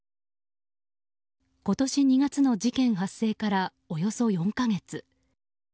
今年２月の事件発生からおよそ４か月。